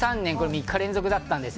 ３日連続だったんです。